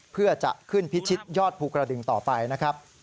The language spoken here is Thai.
เพื่อจะขึ้นพิชิตยอดภูกระดึงต่อไปนะครับ